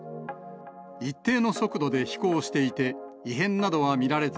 一定の速度で飛行していて、異変などは見られず。